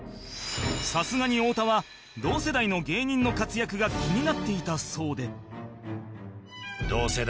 さすがに太田は同世代の芸人の活躍が気になっていたそうで